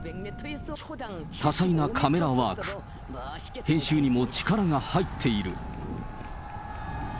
多彩なカメラワーク、編集にも力が入っている。